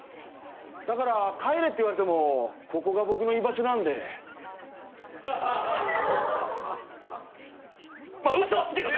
だから帰れって言われてもここが僕の居場所なんでまっウソっすけどね